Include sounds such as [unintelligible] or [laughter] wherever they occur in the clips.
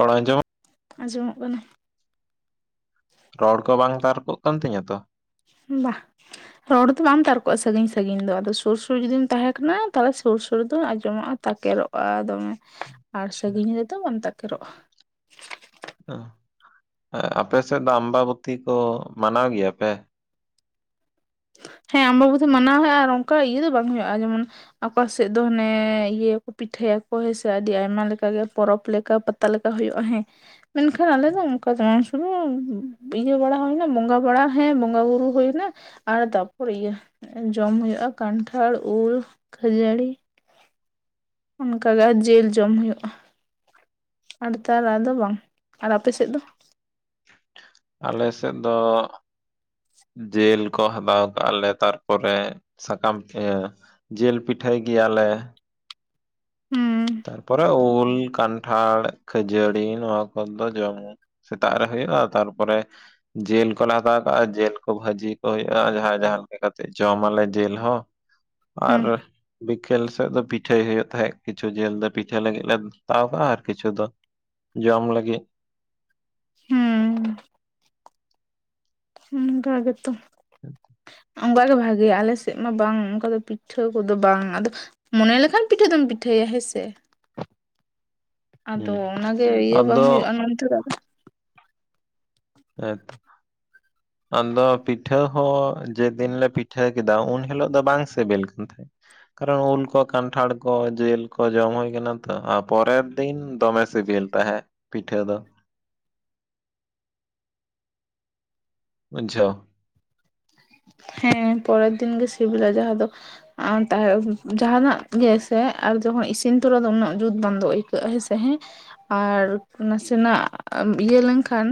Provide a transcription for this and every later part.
ᱨᱚᱲ ᱟᱸᱡᱚᱢᱚᱜ ᱟᱸᱡᱚᱢᱚᱜ ᱠᱟᱱᱟ ᱾ ᱨᱚᱲ ᱠᱚ ᱵᱟᱝ ᱛᱟᱨᱠᱚᱜ ᱠᱟᱱ ᱛᱤᱧᱟᱹ ᱛᱚ? ᱵᱟᱦ᱾ ᱨᱚᱲ ᱫᱚ ᱵᱟᱢ ᱛᱟᱨᱠᱚᱜᱼᱟ ᱥᱟᱹᱜᱤᱧ-ᱥᱟᱹᱜᱤᱧ ᱫᱚ, ᱟᱫᱚ ᱥᱩᱨ-ᱥᱩᱨ ᱡᱩᱫᱤᱢ ᱛᱟᱦᱮᱸ ᱠᱟᱱᱟ, ᱛᱟᱞᱮ ᱥᱩᱨ-ᱥᱩᱨ ᱫᱚ ᱟᱸᱡᱚᱢᱚᱜᱼᱟ᱾ ᱛᱟᱠᱮᱨᱚᱜᱼᱟ ᱫᱚᱢᱮ ᱟᱨ ᱥᱟᱹᱜᱤᱧ ᱨᱮᱫᱚ ᱵᱟᱝ ᱛᱟᱠᱮᱨᱚᱜᱼᱟ᱾ ᱩᱸᱦ᱾ ᱮᱸ ᱟᱯᱮ ᱥᱮᱫ ᱫᱚ 'ᱟᱢᱵᱟᱵᱚᱛᱤ' ᱠᱚ ᱢᱟᱱᱟᱣ ᱜᱮᱭᱟ ᱯᱮ? ᱦᱮᱸ, ᱟᱢᱵᱟᱵᱚᱛᱤ ᱢᱟᱱᱟᱣ ᱦᱩᱭᱩᱜᱼᱟ ᱟᱨ ᱚᱝᱠᱟ ᱤᱭᱟᱹ ᱫᱚ ᱵᱟᱝ ᱦᱩᱭᱩᱜᱼᱟ ᱡᱮᱢᱚᱱ ᱟᱠᱚ ᱥᱮᱫ ᱫᱚ ᱦᱟᱱᱮ ᱤᱭᱟᱹ ᱠᱚ, ᱯᱤᱴᱷᱟᱹᱭᱟ ᱠᱚ ᱦᱮ ᱥᱮ ᱟᱹᱰᱤ ᱟᱭᱢᱟ ᱞᱮᱠᱟᱜᱮ ᱯᱚᱨᱚᱵᱽ ᱞᱮᱠᱟ ᱯᱟ- -ᱛᱟ ᱞᱮᱠᱟ ᱦᱩᱭᱩᱜᱼᱟ ᱦᱮᱸ᱾ ᱢᱮᱱᱠᱷᱟᱱ ᱟᱞᱮ ᱫᱚᱸ ᱚᱝᱠᱟ ᱫᱚ ᱢᱟᱝ ᱥᱩᱢᱩᱝ ᱤᱭᱟᱹ ᱵᱟᱲᱟ ᱦᱩᱭᱱᱟ, ᱵᱚᱸᱜᱟ ᱵᱟᱲᱟ ᱦᱮᱸ ᱵᱚᱸᱜᱟ-ᱵᱩᱨᱩ ᱦᱩᱭᱱᱟᱻ ᱟᱨ ᱛᱟᱯᱚᱨ ᱤᱭᱟᱹᱦ ᱡᱚᱢ ᱦᱩᱭᱩᱜᱼᱟ ᱠᱟᱱᱴᱷᱟᱲ, ᱩᱞ, ᱠᱷᱟᱹᱡᱟᱹᱲᱤ, ᱚᱱᱠᱟᱜᱮ ᱟ ᱡᱮᱹᱞ ᱡᱚᱢ ᱦᱩᱭᱩᱜᱼᱟ᱾ ᱟᱸᱫᱽ ᱛᱟᱨᱟ ᱟᱫᱚ ᱵᱟᱝ ᱟᱨᱟᱯᱮ ᱥᱮᱫ ᱫᱚ? ᱟᱞᱮ ᱥᱮᱜ ᱫᱚ ᱡᱮᱹᱞ ᱠᱚ ᱦᱟᱫᱟᱣ ᱠᱟᱜᱼᱟ ᱞᱮ ᱛᱟᱨᱯᱚᱨᱮ ᱥᱟᱠᱟᱢ ᱯᱷᱮᱸᱻ ᱡᱮᱹᱞ ᱯᱤᱴᱷᱟᱹᱭ ᱜᱮᱭᱟᱞᱮ᱾ ᱦᱩᱸ᱾ ᱛᱟᱨᱯᱚᱨᱮ ᱩᱞ, ᱠᱟᱱᱴᱷᱟᱲ, ᱠᱷᱟᱹᱡᱟᱹᱲᱤ ᱱᱚᱣᱟ ᱠᱚᱫᱚ ᱡᱚᱢ ᱥᱮᱛᱟᱜ ᱨᱮ ᱦᱩᱭᱩᱜᱼᱟ, ᱛᱟᱨᱯᱚᱨᱮ ᱡᱮᱹᱞ ᱠᱚᱞᱮ ᱦᱟᱛᱟᱣ ᱠᱟᱜᱼᱟ, ᱡᱮᱞ ᱠᱚ ᱵᱷᱟᱹᱡᱤ ᱠᱚ ᱦᱩᱭᱩᱜᱼᱟ, ᱟᱸ ᱡᱟᱦᱟᱸᱭ ᱡᱟᱦᱟᱸ ᱞᱮᱠᱟ ᱠᱟᱛᱮᱜ ᱡᱚᱢ ᱟᱞᱮ ᱡᱤᱞ ᱦᱚᱸ᱾ ᱟᱨ ᱦᱩᱸ ᱵᱤᱠᱮᱹᱞ ᱥᱮᱜ ᱫᱚ ᱯᱤᱴᱷᱟᱹᱭ ᱦᱩᱭᱩᱜ ᱛᱟᱦᱮᱜ, ᱠᱤ- -ᱪᱷᱩ ᱡᱮᱞ ᱫᱚ ᱯᱤᱴᱷᱟᱹ ᱞᱟᱹᱜᱤᱜ ᱞᱮ ᱛᱟᱣ ᱠᱟᱜᱼᱟᱻ ᱟᱨ ᱠᱤᱪᱷᱩ ᱫᱚ ᱡᱚᱢ ᱞᱟᱹᱜᱤᱜ᱾ ᱦᱩᱸ ᱩᱸ ᱠᱟ ᱜᱮᱛᱚ᱾ ᱟᱪᱷᱟ [inaudible] ᱚᱝᱠᱟ ᱜᱮ ᱵᱷᱟᱜᱮᱭᱟ, ᱟᱞᱮ ᱥᱮᱜ ᱢᱟ ᱵᱟᱝ ᱚᱝᱠᱟ ᱫᱚ ᱯᱤᱴᱴᱷᱟᱹ ᱠᱚᱫᱚ ᱵᱟᱝ ᱟᱫᱚ ᱢᱚᱱᱮ ᱞᱮᱠᱷᱟᱱ ᱯᱤᱴᱷᱟᱹ ᱫᱚᱢ ᱯᱤᱴᱷᱟᱹᱭᱟ ᱦᱮᱸ ᱥᱮ᱾ ᱟᱫᱚ ᱦᱩᱸ ᱚᱱᱟ ᱜᱮ ᱤᱭᱟᱹ ᱵᱟᱝ ᱟᱫᱚ ᱦᱩᱭᱩᱜᱼᱟ ᱱᱚᱱᱛᱮ ᱟᱫᱚ ᱮᱸᱛᱚ᱾ [inaudible] ᱟᱸᱫᱚ ᱯᱤᱴᱷᱟᱹ ᱦᱚᱸ ᱡᱮᱹᱫᱤᱱ ᱞᱮ ᱯᱤᱴᱷᱟᱹ ᱠᱮᱫᱟ, ᱩᱱ ᱦᱤᱞᱚᱜ ᱫᱚ ᱵᱟᱝ ᱥᱤᱵᱤᱞ ᱠᱟᱱ ᱛᱟᱦᱮᱸᱜ᱾ ᱠᱟᱨᱚ ᱩᱞ ᱠᱚ, ᱠᱟᱱᱴᱷᱟᱲ ᱠᱚ, ᱡᱮᱹᱞ ᱠᱚ ᱡᱚᱢ ᱦᱩᱭ ᱠᱟᱱᱟ ᱛᱚ ᱟ ᱯᱚᱨᱮ ᱫᱤᱱ ᱫᱚᱢᱮ ᱥᱤᱵᱤᱞ ᱛᱟᱦᱮᱸᱜ ᱯᱤᱴᱷᱟᱹ ᱫᱚ᱾ ᱵᱩᱡᱡᱷᱟᱹᱣ᱾ ᱦᱮᱸ, ᱯᱚᱨᱮᱨ ᱫᱤᱱ ᱜᱮ ᱥᱤᱵᱤᱞᱟ, ᱡᱟᱦᱟᱸ ᱫᱚ ᱟᱱ ᱛᱟᱦᱮᱜ ᱩᱸ ᱡᱟᱦᱟᱱᱟᱜ ᱜᱮ ᱥᱮ ᱟᱨ ᱡᱚᱠᱷᱚᱡ ᱤᱥᱤᱱ ᱛᱚᱨᱟ ᱫᱚ ᱩᱱᱟᱹᱜ ᱡᱩᱛ ᱵᱚᱱᱫᱚ ᱤᱡ ᱠᱟᱹᱜ ᱦᱮᱸᱥᱮ, ᱦᱮᱸ, ᱟᱨ ᱱᱟᱥᱮᱱᱟᱜ ᱟᱼᱢ ᱤᱭᱟᱹ ᱞᱮᱝᱠᱷᱟᱱ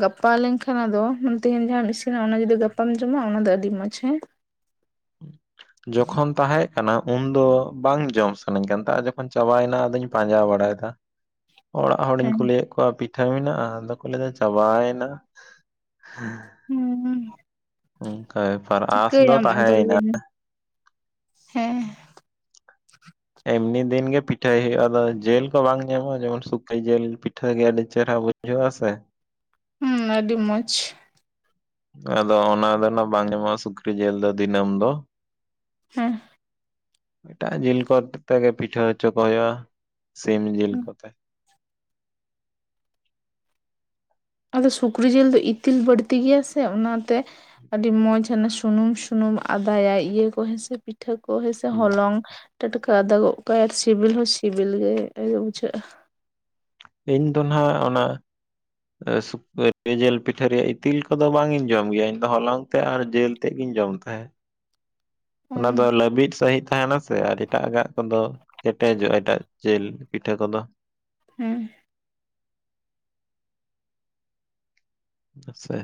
ᱜᱟᱯᱟ ᱞᱮᱝᱠᱷᱟᱱ ᱟᱫᱚ ᱛᱮᱦᱮᱧ ᱡᱟᱦᱟᱢ ᱤᱥᱤᱱᱟ, ᱚᱱᱟ ᱡᱩᱫᱤ ᱜᱟᱯᱟᱢ ᱡᱚᱢᱟ, ᱚᱱᱟ ᱫᱚ ᱟᱹᱰᱤ ᱢᱚᱡᱽ ᱦᱮᱸ᱾ [inaudible] ᱡᱚᱠᱷᱚᱱ ᱛᱟᱦᱮᱸᱜ ᱠᱟᱱᱟ, ᱩᱱᱫᱚ ᱵᱟᱝ ᱡᱚᱢ ᱥᱟᱹᱱᱟᱹᱧ ᱠᱟᱱ ᱛᱟᱸᱜ, ᱡᱚᱠᱷᱚᱱ ᱪᱟᱵᱟᱭᱮᱱᱟ ᱟᱫᱚᱧ ᱯᱟᱸᱡᱟ ᱵᱟᱲᱟᱭᱮᱫᱟ᱾ ᱚᱲᱟᱜ ᱦᱚᱲᱤᱧ ᱦᱮᱸ ᱠᱩᱞᱤᱭᱮᱜ ᱠᱚᱣᱟ ᱯᱤᱴᱷᱟᱹ ᱢᱮᱱᱟᱜᱼᱟ? ᱟᱫᱚ ᱠᱚ ᱞᱟᱹᱭᱫᱟ ᱪᱟᱵᱟᱭᱮᱱᱟ᱾ ᱦᱩᱸ᱾ ᱚᱝᱠᱟ ᱵᱮᱯᱟᱨ ᱟᱸᱥ ᱫᱚ ᱪᱤᱠᱟᱹᱭᱟᱢ ᱟᱫᱚ ᱛᱟᱦᱮᱸᱭᱮᱱᱟ᱾ ᱞᱟᱹᱭ ᱢᱮ ᱦᱮᱸ᱾ ᱮᱢᱱᱤ ᱫᱤᱱ ᱜᱮ ᱯᱤᱴᱷᱟᱹᱭ ᱦᱩᱭᱩᱜᱼᱟ, ᱟᱫᱚ ᱡᱮᱹᱞ ᱠᱚ ᱵᱟᱝ ᱧᱟᱢᱚᱜᱼᱟ᱾ ᱡᱮᱢᱚᱱ ᱥᱩᱠᱟᱹᱭ ᱡᱮᱹᱞ ᱯᱤᱴᱷᱟᱹ ᱜᱮ ᱟᱹᱰᱤ ᱪᱮᱨᱦᱟ ᱵᱩᱡ [unintelligible] ᱥᱮ ᱦᱩᱸ ᱟᱹᱰᱤ ᱢᱚᱡᱽ ᱟᱫᱚ ᱚᱱᱟ ᱫᱚ ᱱᱟ ᱵᱟᱝ ᱧᱟᱢᱚᱜᱼᱟ ᱥᱩᱠᱨᱤ ᱡᱤᱞ ᱫᱚ ᱫᱤᱱᱟᱹᱢ ᱫᱚ ᱦᱮᱸ ᱮᱴᱟᱜ ᱡᱤᱞ ᱠᱚᱛᱮ ᱜᱮ ᱯᱤᱴᱷᱟᱹ ᱦᱚᱪᱚ ᱠᱚ ᱦᱩᱭᱩᱜᱼᱟ ᱥᱤᱢ ᱡᱤᱞ ᱠᱚᱛᱮᱼᱼ ᱟᱫᱚ ᱥᱩᱠᱨᱤ ᱡᱤᱞ ᱫᱚ ᱤᱛᱤᱞ ᱵᱟᱹᱲᱛᱤ ᱜᱮᱭᱟ ᱥᱮ ᱚᱱᱟ ᱛᱮᱼᱼ ᱟᱹᱰᱤ ᱢᱚᱸᱡᱽ ᱦᱟᱱᱮ ᱥᱩᱱᱩᱢ ᱥᱩᱱᱩᱢ ᱟᱫᱟᱭᱟᱭ ᱤᱭᱟᱹ ᱠᱚ ᱦᱮᱸᱥᱮ ᱯᱤᱴᱷᱟᱹ ᱯᱤᱴᱷᱟᱹ ᱠᱚ ᱦᱮᱸ ᱥᱮ ᱦᱩᱸ ᱦᱚᱞᱚᱝ ᱴᱟᱴᱠᱟ ᱟᱫᱟ ᱜᱚᱜ ᱠᱟᱭ ᱟᱨ ᱥᱤᱵᱤᱞ ᱦᱚᱸ ᱥᱤᱵᱤᱞ ᱜᱮ ᱵᱩᱡᱷᱟᱹᱜᱼᱟ ᱤᱧ ᱫᱚ ᱱᱷᱟᱜ ᱚᱱᱟᱼᱼ [unintelligible] ᱡᱤᱞ ᱯᱤᱴᱷᱟᱹ ᱨᱮᱭᱟᱜ ᱤᱛᱤᱞ ᱠᱚᱫᱚ ᱵᱟᱝ ᱤᱧ ᱡᱚᱢ ᱜᱮᱭᱟ ᱤᱧ ᱫᱚ ᱦᱚᱞᱚᱝ ᱛᱮ ᱟᱨ ᱡᱤᱞ ᱛᱮᱫ ᱜᱮᱧ ᱡᱚᱢ ᱛᱟᱦᱮᱸᱫ ᱦᱩᱸ ᱚᱱᱟ ᱫᱚ ᱞᱟᱹᱵᱤᱫ ᱥᱟᱺᱦᱤᱡᱼᱼ ᱛᱟᱦᱮᱱᱟ ᱥᱮ ᱟᱨ ᱮᱴᱟᱜᱟᱜ ᱠᱚᱫᱚ ᱠᱮᱴᱮᱡᱚᱜᱼᱟ ᱮᱴᱟᱜ ᱡᱤᱞ ᱯᱤᱴᱷᱟᱹ ᱠᱚᱫᱚ ᱦᱮᱸ ᱟᱥᱮᱼᱼ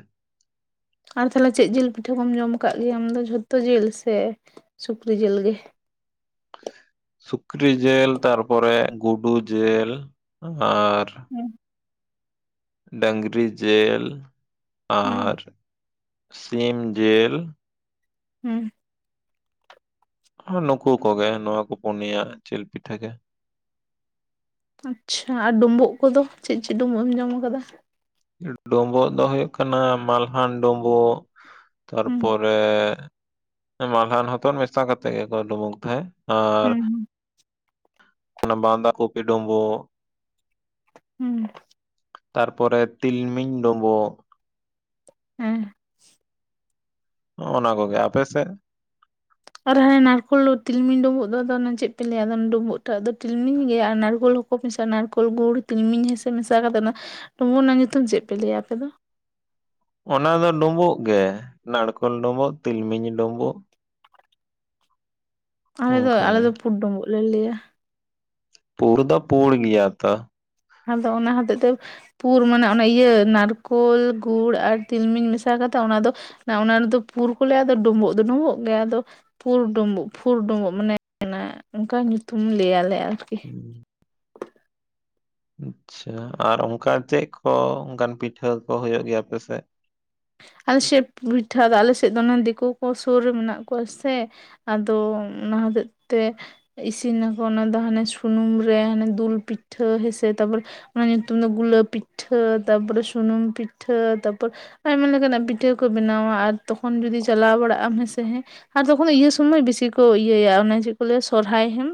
ᱟᱨ ᱛᱟᱦᱚᱞᱮ ᱪᱮᱫ ᱡᱤᱞ ᱯᱤᱴᱷᱟᱹ ᱠᱚᱢ ᱡᱚᱢ ᱟᱠᱟᱫ ᱜᱮᱭᱟ ᱟᱢ ᱫᱚ ᱡᱷᱚᱛᱚ ᱡᱤᱞ ᱥᱮ ᱥᱩᱠᱨᱤ ᱡᱤᱞ ᱜᱮ ᱥᱩᱠᱨᱤ ᱡᱤᱞ ᱛᱟᱨᱯᱚᱨᱮ ᱜᱩᱰᱩ ᱡᱤᱞ ᱟᱨᱼᱼ ᱦᱩᱸ ᱰᱟᱝᱨᱤ ᱡᱮᱞ ᱦᱩᱸ ᱟᱨ ᱥᱤᱢ ᱡᱮᱞ ᱾ ᱦᱩᱸ ᱟᱨ ᱱᱩᱠᱩ ᱠᱚ ᱜᱮ, ᱱᱚᱣᱟ ᱠᱚ ᱯᱩᱱᱭᱟᱹ ᱡᱤᱞ ᱯᱤᱴᱷᱟᱹ ᱜᱮ ᱾ ᱟᱪᱪᱷᱟ ᱾ ᱟᱨ ᱰᱩᱢᱵᱩᱜ ᱠᱚᱫᱚ ᱪᱮᱫ ᱪᱮᱫ ᱰᱩᱸᱵᱩᱜ ᱮᱢ ᱡᱚᱢ ᱟᱠᱟᱫᱟ? ᱰᱩᱸᱵᱩᱜ ᱫᱚ ᱦᱩᱭᱩᱜ ᱠᱟᱱᱟ ᱢᱟᱞᱦᱟᱱ ᱰᱩᱸᱵᱩᱜ ᱛᱟᱨᱯᱚᱨᱼᱼ ᱦᱩᱸ ᱯᱚᱨᱮ ᱢᱟᱞᱦᱟᱱ ᱦᱚᱛᱚᱫ ᱢᱮᱥᱟ ᱠᱟᱛᱮᱜ ᱜᱮ ᱠᱚ ᱰᱩᱸᱵᱩᱠ ᱛᱟᱦᱮᱸᱜ᱾ ᱟᱨ ᱦᱩᱸ ᱚᱱᱟ ᱵᱟᱸᱫᱟ ᱠᱩᱯᱤ ᱰᱩᱸᱵᱩᱜ ᱾ ᱦᱩᱸ ᱛᱟᱨᱯᱚᱨᱮ ᱛᱤᱞᱢᱤᱧ ᱰᱩᱸᱵᱳᱜᱼᱼ ᱦᱮᱸ ᱚᱱᱟ ᱠᱚᱜᱮ ᱟᱯᱮ ᱥᱮᱫ? ᱟᱨ ᱦᱟᱱᱮ ᱱᱟᱨᱠᱳᱞ ᱛᱤᱞᱢᱤᱧ ᱰᱩᱸᱵᱩᱜ ᱫᱚ ᱟᱫᱚ ᱪᱮᱫ ᱯᱮ ᱞᱟᱹᱭᱟ ᱚᱱᱟ ᱰᱩᱸᱵᱩᱜ ᱴᱟᱜ ᱫᱚ ᱛᱤᱞᱢᱤᱧ ᱜᱮ ᱟᱨ ᱱᱟᱨᱠᱳᱞᱼᱼ ᱠᱚ ᱢᱮᱥᱟ ᱱᱟᱨᱠᱳᱞ ᱜᱩᱲ ᱛᱤᱞᱢᱤᱧ ᱦᱮᱸᱥᱮ ᱢᱮᱥᱟ ᱠᱟᱛᱮᱫ ᱚᱱᱟ ᱰᱩᱸᱵᱩᱜ ᱨᱮᱱᱟᱜ ᱧᱩᱛᱩᱢ ᱪᱮᱫ ᱯᱮ ᱞᱟᱹᱭᱟ ᱟᱯᱮ ᱫᱚ? ᱚᱱᱟ ᱫᱚ ᱰᱩᱸᱵᱩᱜ ᱜᱮ ᱱᱟᱲᱠᱳᱞ ᱰᱩᱸᱵᱩᱜ ᱛᱤᱞᱢᱤᱧ ᱰᱩᱸᱵᱩᱜ ᱾ ᱟᱞᱮ ᱫᱚ ᱚᱱᱠᱟ ᱟᱞᱮ ᱜᱮ ᱫᱚ ᱯᱷᱩᱰ ᱵᱩᱸᱵᱩᱜ ᱞᱮ ᱞᱟᱹᱭᱟ ᱾ ᱯᱩᱸᱲ ᱫᱚ ᱯᱩᱸᱲ ᱜᱮᱭᱟ ᱛᱚ ᱾ ᱟᱫᱚ ᱚᱱᱟ ᱦᱚᱛᱮᱡ ᱛᱮᱼᱼ ᱯᱩᱨ ᱢᱟᱱᱮ ᱚᱱᱟ ᱤᱭᱟᱹ ᱱᱟᱨᱠᱳᱞ ᱜᱩᱲ ᱟᱨ ᱛᱤᱞᱢᱤᱧ ᱢᱮᱥᱟ ᱠᱟᱛᱮ ᱚᱱᱟ ᱫᱚᱼᱼ ᱚᱱᱟ ᱨᱮᱫᱚ ᱯᱩᱨ ᱠᱚ ᱞᱟᱹᱭᱟ ᱟᱫᱚ ᱰᱩᱸᱵᱩᱜ ᱫᱚ ᱰᱩᱸᱵᱩᱜ ᱜᱮ ᱟᱫᱚᱼᱼ ᱯᱷᱩᱨ ᱰᱩᱸᱵᱩᱜ ᱯᱷᱩᱨ ᱰᱩᱸᱵᱩᱜ ᱢᱟᱱᱮ [unintelligible] ᱚᱱᱠᱟ ᱧᱩᱛᱩᱢ ᱞᱟᱹᱭ ᱟᱞᱮ ᱟᱨᱠᱤ ᱾ ᱟᱪᱪᱷᱟ ᱟᱨ ᱚᱱᱠᱟ ᱪᱮᱫ ᱠᱚ ᱚᱱᱠᱟᱱ ᱯᱤᱴᱷᱟᱹ ᱠᱚ ᱦᱩᱭᱩᱜ ᱜᱮᱭᱟ ᱟᱯᱮ ᱥᱮᱫ? ᱟᱞᱮ ᱥᱮᱫ ᱯᱤᱴᱷᱟᱹ ᱫᱚ ᱟᱞᱮ ᱥᱮᱫ ᱫᱚ ᱫᱤᱠᱩ ᱠᱚ ᱥᱩᱨ ᱨᱮ ᱢᱮᱱᱟᱜ ᱠᱚᱣᱟ ᱥᱮᱼᱼ ᱟᱫᱚ ᱚᱱᱟ ᱦᱚᱛᱮᱡ ᱛᱮᱼᱼ ᱤᱥᱤᱱ ᱟᱠᱚ ᱚᱱᱟ ᱫᱚ ᱦᱟᱱᱮ ᱥᱩᱱᱩᱢ ᱨᱮ ᱦᱟᱱᱮ ᱫᱩᱞ ᱯᱤᱴᱷᱟᱹ ᱦᱮᱸᱥᱮ ᱛᱟᱯᱚᱨᱮᱼᱼ ᱚᱱᱟ ᱧᱩᱛᱩᱢ ᱫᱚ ᱜᱩᱞᱟᱹ ᱯᱤᱴᱷᱟᱹ ᱛᱟᱨᱯᱚᱨᱮ ᱥᱩᱱᱩᱢ ᱯᱤᱴᱷᱟᱹ ᱛᱟᱯᱚᱨᱮᱼᱼ ᱟᱭᱢᱟ ᱞᱮᱠᱟ ᱱᱟᱜ ᱯᱤᱴᱷᱟᱹ ᱠᱚ ᱵᱮᱱᱟᱣᱟ ᱟᱨ ᱛᱚᱠᱷᱚᱱ ᱡᱩᱫᱤ ᱪᱟᱞᱟᱣ ᱵᱟᱲᱟᱜ ᱟᱢ ᱦᱮᱸ ᱥᱮ ᱦᱮᱸᱼᱼ ᱟᱨ ᱛᱚᱠᱷᱚᱱ ᱤᱭᱟᱹ ᱥᱚᱢᱚᱭ ᱵᱮᱥᱤ ᱠᱚ ᱤᱭᱟᱹᱭᱟ ᱚᱱᱮ ᱪᱮᱫ ᱠᱚ ᱞᱟᱹᱭᱟ ᱥᱚᱨᱦᱟᱭ ᱦᱮᱸᱼᱼ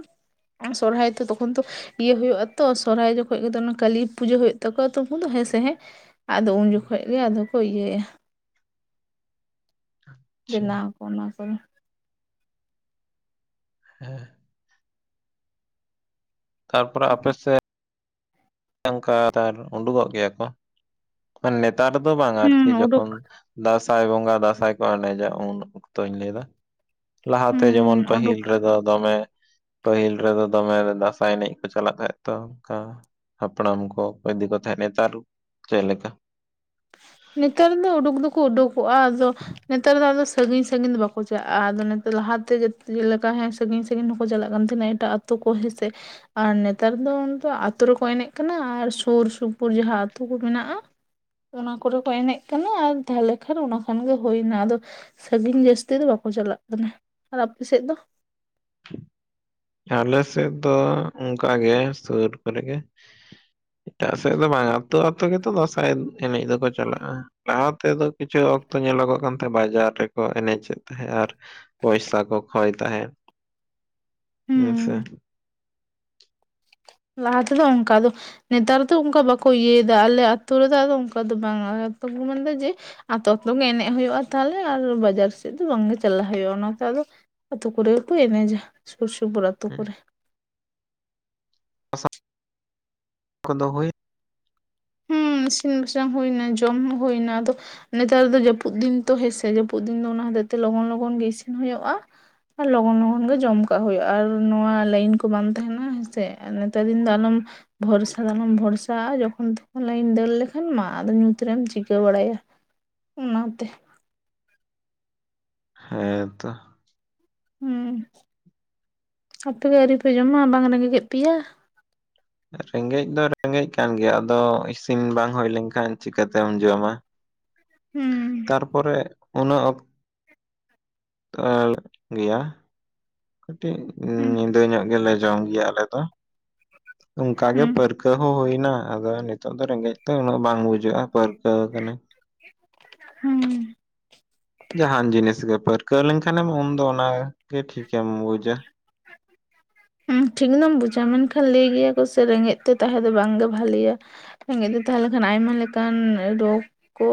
ᱥᱚᱨᱦᱟᱭ ᱛᱚ ᱛᱠᱷᱚᱱ ᱛᱚᱼᱼ ᱤᱭᱟᱹ ᱦᱩᱭᱩᱜᱼᱟ ᱛᱚ ᱥᱚᱨᱦᱟᱭ ᱡᱚᱠᱷᱚᱡ ᱜᱮ ᱠᱟᱹᱞᱤ ᱯᱩᱡᱟᱹ ᱦᱩᱭᱩᱜ ᱛᱟᱠᱚᱣᱟ ᱛᱚ ᱩᱱᱠᱩ ᱫᱚ ᱦᱮᱸᱥ ᱦᱮᱸᱼᱼ ᱟᱫᱚ ᱩᱱ ᱡᱚᱠᱷᱚᱡ ᱜᱮ ᱟᱫᱚ ᱠᱚ ᱤᱭᱟᱹᱭᱟ ᱾ ᱟᱪᱪᱷᱟ ᱵᱮᱱᱟᱣ ᱟᱠᱚ ᱚᱱᱟ ᱠᱚᱫᱚ ᱾ ᱦᱮᱸ ᱛᱟᱨᱯᱚᱨᱮ ᱟᱯᱮ ᱥᱮᱫ ᱚᱱᱠᱟ ᱩᱰᱩᱠᱚᱜ ᱜᱮᱭᱟ ᱠᱚ ᱱᱮᱛᱟᱨ ᱫᱚ ᱵᱟᱝᱟ ᱟᱨᱠᱤ ᱦᱩᱸ ᱩᱰᱩᱠ ᱡᱚᱠᱷᱚᱱᱼᱼ ᱫᱟᱸᱥᱟᱭ ᱵᱚᱸᱜᱟ ᱫᱟᱸᱥᱟᱭ ᱠᱚ ᱮᱱᱮᱡᱟ ᱩᱱ ᱚᱠᱛᱚᱧ ᱞᱟᱹᱭ ᱮᱫᱟ ᱾ ᱞᱟᱦᱟᱛᱮ ᱦᱩᱸ ᱡᱮᱢᱚᱱ ᱯᱟᱹᱦᱤᱞ ᱩᱰᱩᱠ ᱨᱮᱫᱚᱼᱼ ᱫᱚᱢᱮ ᱯᱟᱹᱦᱤᱞ ᱨᱮᱫᱚ ᱫᱚᱢᱮ ᱫᱟᱸᱥᱟᱭ ᱮᱱᱮᱡ ᱠᱚ ᱪᱟᱞᱟᱜ ᱛᱟᱦᱮᱫ ᱛᱚ ᱚᱱᱠᱟ᱾ ᱦᱟᱯᱲᱟᱢ ᱠᱚ ᱟᱠᱚ ᱤᱫᱤ ᱠᱚ ᱛᱟᱦᱮᱸ ᱱᱮᱛᱟᱨ ᱪᱮᱫᱮ ᱞᱮᱠᱟ? ᱱᱮᱛᱟᱨ ᱫᱚ ᱩᱰᱩᱠ ᱫᱚᱠᱚ ᱩᱰᱩᱠᱚᱜᱼᱟ ᱟᱫᱚ ᱱᱮᱛᱟᱨ ᱫᱚ ᱟᱫᱚᱼᱼ ᱥᱟᱸᱹᱜᱤᱧ ᱥᱟᱸᱹᱜᱤᱧ ᱫᱚ ᱵᱟᱠᱚ ᱪᱟᱜᱼᱟ ᱟᱫᱚ ᱱᱮ ᱞᱟᱦᱟᱛᱮ ᱪᱮᱞ ᱞᱮᱠᱟ ᱦᱮᱸ ᱥᱟᱸᱹᱜᱤᱧ ᱥᱟᱸᱹᱜᱤᱧ ᱠᱚ ᱪᱟᱞᱟᱜ ᱠᱟᱱ ᱛᱟᱦᱮᱱᱟ ᱮᱴᱟᱜ ᱟᱼᱼ ᱛᱩ ᱠᱚ ᱦᱮᱸ ᱥᱮ᱾ ᱟᱨ ᱱᱮᱛᱟᱨ ᱫᱚ ᱟᱹᱛᱩ ᱨᱮᱠᱚ ᱮᱱᱮᱡ ᱠᱟᱱᱟ ᱟᱨ ᱥᱩᱨ ᱥᱩᱯᱩᱨ ᱡᱟᱦᱟᱸ ᱟᱹᱛᱩ ᱠᱚ ᱢᱮᱱᱟᱜᱼᱟ ᱾ ᱚᱱᱟ ᱠᱚᱨᱮ ᱠᱚ ᱮᱱᱮᱡ ᱠᱟᱱᱟ ᱟᱨ ᱛᱟᱦᱚᱞᱮ ᱠᱷᱟᱱ ᱚᱱᱟ ᱠᱷᱟᱱ ᱜᱮ ᱦᱩᱭᱱᱟ ᱟᱫᱚ ᱾ ᱥᱟᱸᱹᱜᱤᱧ ᱡᱟᱹᱥᱛᱤ ᱫᱚ ᱵᱟᱠᱚ ᱪᱟᱞᱟᱜ ᱠᱟᱱᱟ ᱾ ᱟᱨ ᱟᱯᱮ ᱥᱮᱫ ᱫᱚ? ᱟᱞᱮ ᱥᱮᱫ ᱫᱚ ᱚᱝᱠᱟ ᱜᱮ ᱥᱩᱨ ᱠᱚᱨᱮ ᱜᱮ ᱾ ᱮᱴᱟᱜ ᱥᱮᱫ ᱫᱚ ᱵᱟᱝ ᱟᱹᱛᱩ ᱟᱹᱛᱩ ᱜᱮ ᱛᱚ ᱫᱟᱸᱥᱟᱭ ᱮᱱᱮᱡ ᱫᱚᱠᱚ ᱪᱟᱞᱟᱜᱼᱟ ᱾ ᱞᱟᱦᱟ ᱛᱮᱫᱚ ᱠᱤᱪᱷᱩ ᱚᱠᱛᱚ ᱧᱮᱞᱚ ᱜᱚᱜ ᱠᱟᱱ ᱛᱟᱦᱮᱸᱫ ᱵᱟᱡᱟᱨ ᱨᱮᱠᱚ ᱮᱱᱮᱡᱮᱫ ᱛᱟᱦᱮᱸᱜ ᱟᱨᱼᱼ ᱯᱚᱭᱥᱟ ᱠᱚ ᱠᱷᱚᱭ ᱛᱟᱦᱮᱸᱫ᱾ ᱦᱩᱸ ᱥᱮ, ᱞᱟᱦᱟ ᱛᱮᱫᱚ ᱚᱱᱠᱟ ᱟᱫᱚ ᱱᱮᱛᱟᱨ ᱫᱚ ᱚᱱᱠᱟ ᱵᱟᱠᱚ ᱤᱭᱟᱹᱭᱮᱫᱟ ᱟᱞᱮ ᱟᱹᱛᱩ ᱨᱮᱫᱚ ᱟᱫᱚ ᱚᱱᱠᱟ ᱫᱚ ᱵᱟᱝ-ᱟ ᱟᱞᱮ ᱟᱛᱩ ᱢᱟᱱᱮ ᱡᱮ ᱟᱛᱚ ᱠᱚᱨᱮ ᱜᱮ ᱮᱱᱮᱡ ᱦᱩᱭᱩᱜᱼᱟ ᱛᱟᱦᱚᱞᱮ ᱟᱨ ᱵᱟᱡᱟᱨ ᱥᱮᱫ ᱫᱚ ᱵᱟᱝᱜᱮ ᱪᱟᱞᱟᱜ ᱦᱩᱭᱩᱜᱼᱟ ᱚᱱᱟᱛᱮ ᱟᱫᱚ ᱟᱛᱩ ᱠᱚᱨᱮ ᱜᱮᱠᱚ ᱮᱱᱮᱡᱟ ᱥᱩᱨ ᱥᱩᱯᱩᱨ ᱟᱛᱩ ᱠᱚᱨᱮ᱾ ᱠᱚᱫᱚ ᱦᱳᱭ ᱦᱩᱸ ᱤᱥᱤᱱ ᱵᱟᱥᱟᱝ ᱦᱩᱭᱱᱟ ᱡᱚᱢ ᱦᱚᱸ ᱦᱩᱭᱱᱟ ᱟᱫᱚ ᱱᱮᱛᱟᱨ ᱫᱚ ᱡᱟᱹᱯᱩᱫ ᱫᱤᱱ ᱛᱚ ᱦᱮᱸᱥᱮ ᱡᱟᱹᱯᱩᱫ ᱫᱤᱱ ᱫᱚ ᱚᱱᱟ ᱦᱚᱛᱮ ᱛᱮ ᱞᱚᱜᱚᱱ ᱞᱚᱜᱚᱱ ᱜᱮ ᱤᱥᱤᱱ ᱦᱩᱭᱩᱜᱼᱟ᱾ ᱞᱚᱜᱚᱱ ᱞᱚᱜᱚᱱ ᱜᱮ ᱡᱚᱢ ᱠᱟᱜ ᱦᱩᱭᱩᱜᱼᱟ ᱟᱨ ᱱᱚᱣᱟ ᱞᱟᱹᱭᱤᱱ ᱠᱚ ᱵᱟᱝ ᱛᱟᱦᱮᱸᱱᱟ ᱦᱮᱸᱥᱮ ᱾ᱱᱮᱛᱟᱨ ᱫᱤᱱ ᱫᱚ ᱟᱞᱚᱢ ᱵᱷᱚᱨᱥᱟ ᱫᱚ ᱟᱞᱚᱢ ᱵᱷᱚᱨᱥᱟᱜ-ᱟ ᱡᱚᱠᱷᱚᱱ ᱛᱚ ᱞᱟᱹᱭᱤᱱ ᱫᱟᱹᱲ ᱞᱮᱠᱷᱟᱱ ᱢᱟ ᱟᱫᱚ ᱧᱩᱛ ᱨᱮᱢ ᱪᱤᱠᱟᱹ ᱵᱟᱲᱟᱭᱟ [inaudible] ᱚᱱᱟᱛᱮ ᱦᱮᱸ ᱛᱚ, ᱦᱩᱸ ᱟᱯᱮᱫᱚ ᱟᱹᱣᱨᱤᱯᱮ ᱡᱚᱢᱟ ᱵᱟᱝ ᱨᱮᱸᱜᱮᱡ ᱮᱫ ᱯᱮᱭᱟ? ᱨᱮᱸᱜᱮᱡ ᱫᱚ ᱨᱮᱸᱜᱮᱡ ᱠᱟᱱ ᱜᱮᱭᱟ ᱟᱫᱚ ᱤᱥᱤᱱ ᱵᱟᱝ ᱦᱩᱭ ᱞᱮᱱᱠᱷᱟᱱ ᱪᱤᱠᱟᱹᱛᱮᱢ ᱡᱚᱢᱟ᱾ ᱦᱩᱸ ᱛᱟᱯᱚᱨᱮ ᱩᱱᱟᱹᱜ ᱚᱠ [unintelligible] ᱜᱮᱭᱟ ᱠᱟᱹᱴᱤᱡ ᱦᱩᱸ ᱧᱤᱫᱟᱹ ᱧᱚᱜ ᱜᱮᱞᱮ ᱡᱚᱢᱜᱮᱭᱟ ᱟᱞᱮ ᱫᱚ ᱚᱱᱠᱟ ᱜᱮ ᱯᱟᱹᱨ ᱦᱩᱸ ᱯᱟᱹᱨᱠᱟᱹᱣ ᱦᱚᱸ ᱦᱩᱭ ᱮᱱᱟ ᱟᱫᱚ ᱱᱤᱛᱚᱜ ᱫᱚ ᱨᱮᱸᱜᱮᱡ ᱫᱚ ᱩᱱᱟᱹᱜ ᱵᱟᱝ ᱵᱩᱡᱟᱹᱜᱼᱟ ᱯᱟᱹᱨᱠᱟᱹᱣ ᱟᱠᱟᱱᱟᱹᱧ᱾ ᱦᱮᱸ ᱡᱟᱦᱟᱱ ᱡᱤᱱᱤᱥ ᱜᱮ ᱯᱟᱹᱨᱠᱟᱹᱣ ᱞᱮᱱᱠᱷᱟᱱᱮᱢ ᱩᱱᱫᱚ ᱚᱱᱟᱜᱮ ᱴᱷᱤᱠᱮᱢ ᱵᱩᱡᱟ᱾ ᱴᱷᱤᱠ ᱫᱚᱢ ᱵᱩᱡᱟ ᱢᱮᱱᱠᱷᱟᱱ ᱞᱟᱹᱭ ᱜᱮᱭᱟ ᱠᱚ ᱥᱮ ᱨᱮᱸᱜᱮᱡ ᱛᱮ ᱛᱟᱦᱮᱸ ᱫᱚ ᱵᱟᱝᱜᱮ ᱵᱷᱟᱞᱤᱭᱟ᱾ ᱨᱮᱸᱜᱮᱡ ᱛᱮ ᱛᱟᱦᱮᱸ ᱞᱮᱠᱷᱟᱱ ᱟᱭᱢᱟ ᱞᱮᱠᱟᱱ ᱨᱳᱜ ᱠᱚ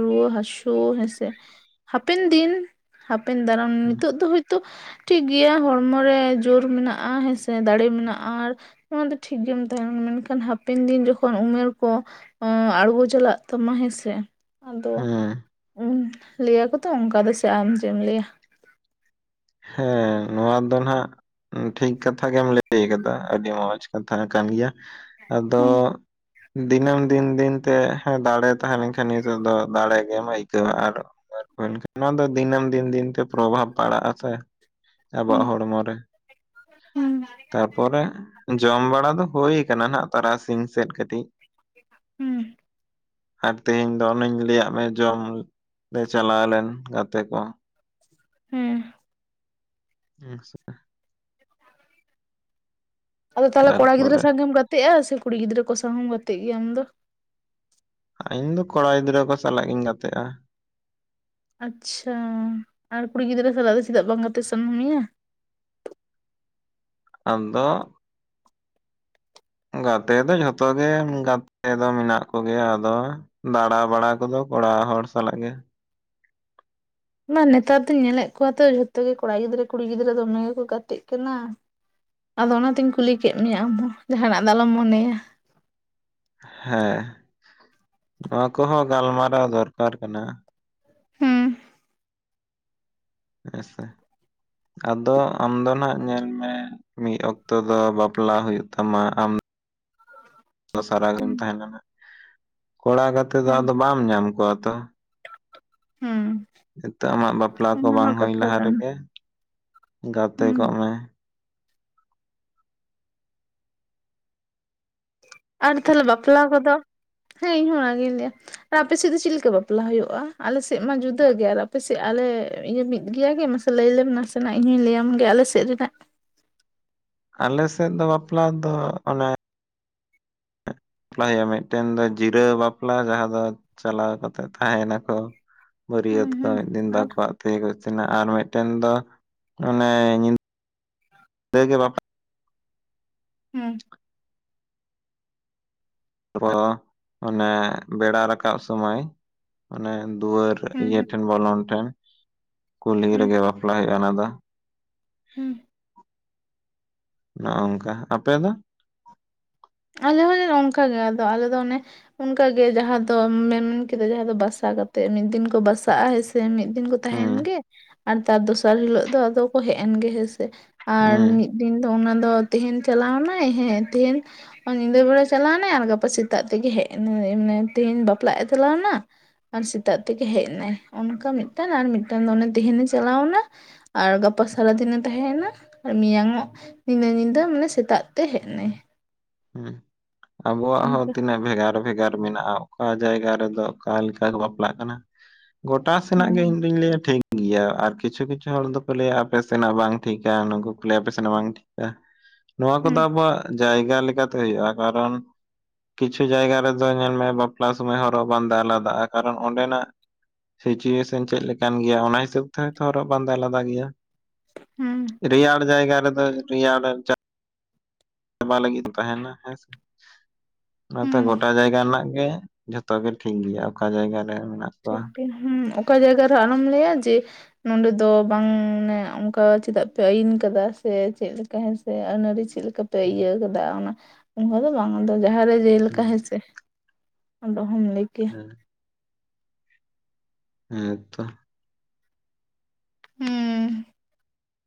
ᱨᱩᱣᱟᱹ ᱦᱟᱹᱥᱩ ᱦᱮᱸᱥᱮ ᱦᱟᱯᱮᱱ ᱫᱤᱱ ᱦᱟᱯᱮᱱ ᱫᱟᱨᱟᱢ ᱱᱤᱛᱚᱜ ᱫᱚ ᱦᱚᱭᱛᱳ ᱴᱷᱤᱠᱜᱮᱭᱟ ᱦᱚᱲᱢᱚ ᱨᱮ ᱡᱳᱨ ᱢᱮᱱᱟᱜᱼᱟ ᱦᱮᱸᱥᱮ ᱫᱟᱲᱮ ᱢᱮᱱᱟᱜᱼᱟ ᱾ ᱱᱚᱣᱟ ᱫᱚ ᱴᱷᱤᱠ ᱜᱮᱢ ᱛᱟᱦᱮᱸᱱᱟ ᱢᱮᱱᱠᱷᱟᱱ ᱦᱟᱯᱮᱱ ᱫᱤᱱ ᱡᱚᱠᱷᱚᱱ ᱩᱢᱮᱨ ᱠᱚ ᱟᱬᱜᱚ ᱪᱟᱞᱟᱜ ᱛᱟᱢᱟ ᱦᱮᱸᱥᱮ ᱟᱫᱚ ᱦᱮᱸ ᱞᱟᱹᱭᱟᱠᱚ ᱛᱚ ᱚᱱᱠᱟ ᱫᱚ ᱥᱮ ᱟᱢ ᱪᱮᱫ ᱮᱢ ᱞᱟᱹᱭᱟ? ᱦᱮᱸ ᱱᱚᱣᱟ ᱫᱚ ᱱᱟᱷᱟᱜ ᱴᱷᱤᱠ ᱠᱟᱛᱷᱟ ᱜᱮᱢ ᱞᱟᱹᱭ ᱠᱟᱫᱟ ᱟᱹᱰᱤ ᱢᱚᱸᱡᱽ ᱠᱟᱛᱷᱟ ᱠᱟᱱ ᱜᱮᱭᱟ ᱟᱫᱚ ᱦᱩᱸ ᱫᱤᱱᱟᱹᱢ ᱫᱤᱱ ᱫᱤᱱ ᱛᱮ ᱫᱟᱲᱮ ᱛᱟᱦᱮᱸ ᱞᱮᱱᱠᱷᱟᱱ ᱱᱤᱛᱚᱜ ᱫᱚ ᱫᱟᱲᱮ ᱜᱮᱢ ᱟᱹᱭᱠᱟᱹᱣᱟ ᱟᱨ ᱱᱚᱣᱟ ᱫᱚ ᱫᱤᱱᱟᱹᱢ ᱫᱤᱱ ᱫᱤᱱ ᱛᱮ ᱯᱨᱚᱵᱷᱟᱵᱽ ᱯᱟᱲᱟᱜᱼᱟ ᱥᱮ ᱾ ᱦᱩᱸ ᱟᱵᱚᱣᱟᱜ ᱦᱚᱲᱢᱚ ᱨᱮ ᱦᱩᱸ ᱛᱟᱨᱯᱚᱨᱮ ᱡᱚᱢ ᱵᱟᱲᱟ ᱫᱚ ᱦᱩᱭᱠᱟᱱᱟ ᱱᱷᱟᱜ ᱛᱟᱨᱟᱥᱤᱧ ᱥᱮᱫ ᱠᱟᱹᱴᱤᱡ ᱾ ᱦᱩᱸ ᱾ ᱟᱨ ᱛᱮᱦᱮᱧ ᱫᱚ ᱚᱱᱤᱧ ᱞᱟᱹᱭᱟᱜ ᱢᱮ ᱡᱚᱢ ᱞᱮ ᱪᱟᱞᱟᱣ ᱞᱮᱱ ᱜᱟᱛᱮ ᱠᱚ ᱾ ᱦᱩᱸ ᱾ ᱦᱮᱸ ᱥᱮ ᱟᱫᱚ ᱛᱟᱞᱦᱮ ᱠᱚᱲᱟ ᱜᱤᱫᱽᱨᱟᱹ ᱛᱟᱨᱯᱚᱨᱮ ᱥᱟᱶᱝᱜᱮᱢ ᱜᱟᱛᱮᱜᱼᱟ ᱥᱮ ᱠᱩᱲᱤ ᱜᱤᱫᱽᱨᱟᱹ ᱠᱚ ᱥᱟᱶ ᱦᱚᱸᱢ ᱜᱟᱛᱮᱜ ᱜᱮᱭᱟ ᱟᱢ ᱫᱚ? ᱤᱧ ᱫᱚ ᱠᱚᱲᱟ ᱜᱤᱫᱽᱨᱟᱹ ᱠᱚ ᱥᱟᱞᱟᱜ ᱜᱤᱧ ᱜᱟᱛᱮᱜᱼᱟ ᱾ ᱟᱪᱪᱷᱟ ᱟᱨ ᱠᱩᱲᱤ ᱜᱤᱫᱽᱨᱟᱹ ᱥᱟᱞᱟᱜ ᱫᱚ ᱪᱮᱫᱟᱜ ᱵᱟᱝ ᱜᱟᱛᱮᱜ ᱥᱟᱱᱟ ᱢᱮᱭᱟ? ᱟᱫᱚ ᱜᱟᱛᱮ ᱫᱚ ᱡᱷᱚᱛᱚ ᱜᱮ ᱜᱟᱛᱮ ᱫᱚ ᱢᱮᱱᱟᱜ ᱠᱚᱜᱮᱭᱟ ᱟᱫᱚ ᱫᱟᱬᱟ ᱵᱟᱲᱟ ᱠᱚᱫᱚ ᱠᱚᱲᱟ ᱦᱚᱲ ᱥᱟᱞᱟᱜ ᱜᱮ ᱾ ᱢᱟ ᱱᱮᱛᱟᱨ ᱫᱚᱧ ᱧᱮᱞᱮᱫ ᱠᱚᱣᱟ ᱛᱚ ᱡᱷᱚᱛᱚ ᱜᱮ ᱠᱚᱲᱟ ᱜᱤᱫᱽᱨᱟᱹ ᱠᱩᱲᱤ ᱜᱤᱫᱽᱨᱟᱹ ᱫᱚᱢᱮ ᱜᱮᱠᱚ ᱜᱟᱛᱮᱜ ᱠᱟᱱᱟ ᱾ ᱟᱫᱚ ᱚᱱᱟᱛᱤᱧ ᱠᱩᱞᱤ ᱠᱮᱫ ᱢᱮᱭᱟ ᱟᱢᱦᱚᱸ ᱡᱟᱦᱟᱱᱟᱜ ᱫᱚ ᱟᱞᱚᱢ ᱢᱚᱱᱮᱭᱟ ᱾ ᱦᱮᱸ ᱱᱚᱣᱟ ᱠᱚᱦᱚᱸ ᱜᱟᱞᱢᱟᱨᱟᱣ ᱫᱚᱨᱠᱟᱨ ᱠᱟᱱᱟ ᱾ ᱦᱩᱸ ᱦᱮᱸ ᱥᱮ ᱟᱫᱚ ᱟᱢ ᱫᱚ ᱱᱷᱟᱜ ᱧᱮᱞ ᱢᱮ ᱢᱤᱫ ᱚᱠᱛᱚ ᱫᱚ ᱵᱟᱯᱞᱟ ᱦᱩᱭᱩᱜ ᱛᱟᱢᱟ ᱟᱢ ᱫᱚᱥᱟᱨᱟ ᱦᱩᱸ ᱜᱮᱢ ᱛᱟᱦᱮᱸᱞᱱᱟ ᱠᱚᱲᱟ ᱜᱟᱛᱮ ᱫᱚ ᱦᱩᱸ ᱟᱫᱚ ᱵᱟᱢ ᱧᱟᱢ ᱠᱚᱣᱟ ᱛᱚ ᱾ ᱦᱩᱸ ᱾ ᱱᱤᱛᱚᱜ ᱟᱢᱟᱜ ᱵᱟᱯᱞᱟ ᱠᱚ ᱵᱟᱝ ᱦᱩᱭ ᱞᱟᱦᱟ ᱠᱟᱱᱟ ᱨᱮᱜᱮ ᱜᱟᱛᱮ ᱦᱩᱸ ᱠᱚᱜ ᱢᱮ ᱾ ᱟᱨ ᱛᱟᱦᱞᱮ ᱵᱟᱯᱞᱟ ᱠᱚᱫᱚ ᱦᱮᱸ ᱤᱧᱦᱚ ᱚᱱᱟᱜᱤᱧ ᱞᱟᱹᱭᱟ ᱾ ᱟᱨ ᱟᱯᱮ ᱥᱮᱫ ᱫᱚ ᱪᱮᱫ ᱞᱮᱠᱟ ᱵᱟᱯᱞᱟ ᱦᱩᱭᱩᱜᱼᱟ, ᱟᱞᱮ ᱥᱮᱫ ᱢᱟ ᱡᱩᱫᱟᱹᱜ ᱜᱮᱭᱟ ᱟᱨ ᱟᱯᱮ ᱥᱮᱫ ᱟᱞᱮ ᱤᱭᱟᱹ ᱢᱤᱫ ᱜᱮᱭᱟ ᱜᱮ ᱢᱟᱥᱮ ᱞᱟᱹᱭᱞᱮᱢ ᱱᱟᱥᱮᱱᱟᱜ ᱤᱧ ᱦᱚᱸᱧ ᱞᱟᱹᱭ ᱭᱟᱢᱜᱮ ᱟᱞᱮᱮᱥᱮᱫ ᱨᱮᱱᱟᱜ ᱾ ᱟᱞᱮ ᱥᱮᱫ ᱫᱚ ᱵᱟᱯᱞᱟ ᱫᱚ ᱚᱱᱮ ᱵᱟᱯᱞᱟ ᱦᱩᱭᱩᱜᱼᱟ ᱢᱤᱫᱴᱮᱱ ᱫᱚ ᱡᱤᱨᱟᱹᱣ ᱵᱟᱯᱞᱟ ᱡᱟᱦᱟᱸ ᱫᱚ ᱪᱟᱞᱟᱣ ᱠᱟᱛᱮᱜ ᱛᱟᱦᱮᱱᱟᱠᱚ ᱾ ᱦᱩᱸ ᱵᱟᱹᱨᱭᱛ ᱠᱚ ᱦᱩᱸ ᱢᱤᱫ ᱫᱤᱱ ᱫᱚ ᱟᱨ ᱟᱠᱚᱣᱟᱜ ᱛᱮ ᱠᱚ ᱤᱥᱤᱱᱟ ᱟᱨ ᱢᱤᱫᱴᱮᱱ ᱫᱚ ᱚᱱᱮ ᱧᱤᱫᱟᱹ ᱧᱤᱫ ᱜᱮ ᱵᱟᱯᱞᱟ ᱦᱮᱸ ᱾ ᱛᱚ ᱚᱱᱮ ᱵᱮᱲᱟ ᱨᱟᱠᱟᱵ ᱥᱚᱢᱚᱭ ᱢᱟᱱᱮ ᱫᱩᱣᱟᱹᱨ ᱦᱩᱸ ᱤᱭᱟᱹ ᱦᱩᱸ ᱴᱷᱮᱱ ᱵᱚᱞᱚᱱ ᱴᱷᱮᱱ ᱠᱩᱞᱦᱤ ᱦᱩᱸ ᱨᱮᱜᱮ ᱵᱟᱯᱞᱟ ᱦᱩᱭᱩᱜᱼᱟ ᱚᱱᱟ ᱫᱚ ᱾ ᱦᱩᱸ ᱾ ᱱᱚᱜᱼᱚᱝ ᱠᱟ, ᱟᱯᱮ ᱫᱚ? ᱟᱞᱮ ᱦᱚᱸᱞᱮ ᱱᱚᱝᱠᱟ ᱜᱮ ᱟᱫᱚ ᱟᱞᱮᱫᱚ ᱚᱱᱮ ᱚᱱᱠᱟᱜᱮ ᱡᱟᱦᱟᱸ ᱫᱚ ᱟᱢ ᱮᱢ ᱢᱮᱱ ᱠᱮᱫᱟ ᱡᱟᱦᱟᱸ ᱫᱚ ᱵᱟᱥᱟ ᱠᱟᱛᱮᱜ ᱢᱤᱫ ᱫᱤᱱ ᱠᱚ ᱵᱟᱥᱟᱜᱼᱟ ᱦᱮᱸ ᱥᱮ ᱫᱤᱱ ᱠᱚ ᱛᱟᱦᱮᱭᱮᱱ ᱦᱩᱸ ᱜᱮ ᱟᱨ ᱛᱟᱨ ᱫᱚᱥᱟᱨ ᱦᱤᱞᱳᱜ ᱫᱚ ᱟᱫᱚ ᱠᱚ ᱦᱮᱡ ᱮᱱ ᱜᱮ ᱦᱮᱸᱥᱮ ᱾ ᱟᱨ ᱦᱩᱸ ᱢᱤᱫ ᱫᱤᱱ ᱫᱚ ᱚᱱᱟ ᱫᱚ ᱛᱮᱦᱧ ᱪᱟᱞᱟᱣᱱᱟᱭ ᱦᱮᱸ ᱛᱮᱦᱮᱧ ᱧᱤᱫᱟᱹ ᱵᱮᱲᱟ ᱪᱟᱞᱟᱣᱱᱟᱭ ᱟᱨ ᱜᱟᱯᱟ ᱥᱮᱛᱟᱜ ᱛᱮᱜᱮ ᱦᱮᱡ ᱮᱱᱟ [unintelligible] ᱢᱟᱱᱮ ᱛᱮᱦᱤᱧ ᱵᱟᱯᱞᱟᱜ ᱮ ᱪᱟᱞᱟᱣᱱᱟ ᱟᱨ ᱥᱮᱛᱟᱜ ᱛᱮᱜᱮ ᱦᱮᱡ ᱮᱱᱟᱭ ᱚᱱᱠᱟ ᱢᱮᱫᱴᱟᱱ ᱟᱨ ᱢᱮᱫᱴᱟᱱ ᱫᱚ ᱚᱱᱮ ᱛᱮᱦᱮᱧᱮ ᱪᱟᱞᱟᱣ ᱮᱱᱟ ᱟᱨ ᱜᱟᱯᱟ ᱥᱟᱨᱟ ᱫᱤᱱᱮ ᱛᱟᱦᱮᱸᱭᱮᱱᱟ ᱟᱨ ᱢᱮᱭᱟᱝᱚᱜ ᱧᱤᱱᱟᱹ ᱧᱤᱫᱟᱹ ᱢᱟᱱᱮ ᱥᱮᱛᱟᱜ ᱛᱮ ᱦᱮᱡ ᱱᱟᱭ ᱾ ᱦᱩᱸ ᱟᱵᱚᱣᱟᱜ ᱦᱚᱸ ᱚᱱᱠᱟ ᱛᱤᱱᱟᱹᱜ ᱵᱷᱮᱜᱟᱨ ᱵᱷᱮᱜᱟᱨ ᱢᱮᱱᱟᱜᱼᱟ ᱾ ᱚᱠᱟ ᱡᱟᱭᱜᱟ ᱨᱮᱫᱚ ᱚᱠᱟ ᱞᱮᱠᱟ ᱠᱚ ᱵᱟᱯᱞᱟᱜ ᱠᱟᱱᱟ ᱜᱚᱴᱟ ᱥᱮᱱᱟᱜ ᱜᱮ ᱤᱧ ᱦᱮᱸ ᱫᱩᱧ ᱞᱟᱹᱭᱟ ᱴᱷᱤᱠ ᱜᱮᱭᱟ ᱟᱨ ᱠᱤᱪᱷᱩ ᱠᱤᱪᱷᱩ ᱦᱚᱲ ᱫᱚᱠᱚ ᱞᱟᱹᱭᱟ ᱟᱯᱮ ᱥᱮᱱᱟᱜ ᱵᱟᱝ ᱴᱷᱤᱠᱟ ᱱᱩᱠᱩ ᱠᱚ ᱞᱟᱹᱭᱟ ᱟᱯᱮ ᱥᱮᱱᱟᱜ ᱵᱟᱝ ᱴᱷᱤᱠᱟ ᱾ [unintelligible] ᱱᱚᱣᱟ ᱠᱚᱫᱚ ᱟᱵᱚᱣᱟᱜ ᱡᱟᱭᱜᱟ ᱞᱮᱠᱟ ᱛᱮ ᱦᱩᱭᱩᱜᱼᱟ, ᱠᱟᱨᱚᱱ ᱠᱤᱪᱷᱩ ᱡᱟᱭᱜᱟ ᱨᱮᱫᱚ ᱧᱮᱞ ᱢᱮ ᱵᱟᱯᱞᱟ ᱥᱚᱢᱚᱹᱭ ᱦᱚᱨᱚᱜ ᱵᱟᱸᱫᱮ ᱟᱞᱟᱫᱟᱜᱼᱟ, ᱠᱟᱨᱚᱱ ᱚᱸᱰᱮᱱᱟᱜ ᱥᱤᱪᱩᱭᱮᱥᱚᱱ ᱪᱮᱫ ᱞᱮᱠᱟᱱ ᱜᱮᱭᱟ ᱚᱱᱟ ᱦᱤᱥᱟᱹᱵᱽ ᱛᱮ ᱦᱚᱭᱛᱚ ᱦᱚᱨᱚᱜ ᱵᱟᱸᱫᱮ ᱟᱞᱟᱫᱟ ᱜᱮᱭᱟ ᱾ ᱦᱩᱸ ᱾ ᱨᱭᱟᱲ ᱡᱟᱭᱜᱟ ᱨᱮ ᱫᱚ ᱨᱮᱭᱟᱲ ᱪᱟ ᱪᱟᱵᱟ ᱞᱟᱜᱤᱫ ᱛᱟᱦᱮᱱᱟ ᱦᱮᱸᱥ ᱚᱱᱟ ᱛᱮ ᱦᱮᱸ ᱜᱚᱴᱟ ᱡᱟᱭᱜᱟ ᱨᱮᱱᱟᱜ ᱜᱮ ᱡᱷᱚᱛᱚ ᱜᱮ ᱴᱷᱤᱠ ᱜᱮᱭᱟ ᱚᱠᱟ ᱡᱟᱭᱜᱟ ᱨᱮ ᱢᱮᱱᱟᱜ ᱴᱷᱤᱠᱮ ᱠᱚᱣᱟ ᱜᱮ ᱦᱮᱸ ᱚᱠᱟ ᱡᱟᱭᱜᱟ ᱨᱮᱦᱚ ᱟᱞᱚᱢ ᱞᱟᱹᱭᱟ ᱡᱮ ᱱᱚᱰᱮ ᱫᱚ ᱵᱟᱝ ᱢᱟᱱᱮ ᱚᱱᱠᱟ ᱪᱮᱫᱟᱜ ᱯᱮ ᱟᱹᱭᱤᱱ ᱠᱟᱫᱟ ᱥᱮ ᱪᱮᱫ ᱞᱮᱠᱟ ᱦᱮᱸ ᱥᱮ ᱟᱹᱱ ᱟᱹᱨᱤ ᱪᱮᱫ ᱞᱮᱠᱟ? ᱯᱮ ᱤᱭᱟᱹ ᱠᱟᱫᱟ ᱚᱱᱟ ᱚᱱᱠᱟ ᱫᱚ ᱵᱟᱝ ᱟᱫᱚ ᱡᱟᱦᱟᱸ ᱨᱮ ᱡᱮᱞᱮᱠᱟ ᱦᱮᱸᱥᱮ? ᱚᱦᱚᱢ ᱞᱟᱹᱭ ᱠᱮᱭᱟ ᱾ [unintelligible] ᱦᱮᱸ ᱛᱚ ᱾ ᱦᱩᱸ ᱾